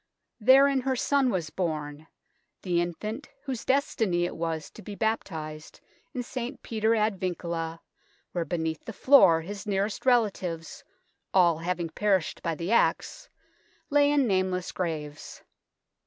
Therein her son was bom the infant whose destiny it was to be baptised in St. Peter ad Vincula, where beneath the floor his nearest relatives, all having perished by the axe, lay in nameless graves.